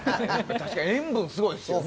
確かに塩分もすごいですよね。